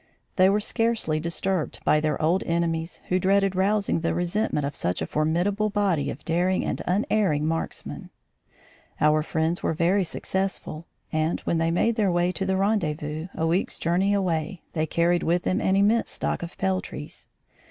They were scarcely disturbed by their old enemies who dreaded rousing the resentment of such a formidable body of daring and unerring marksmen. Our friends were very successful, and, when they made their way to the rendezvous, a week's journey away, they carried with them an immense stock of peltries.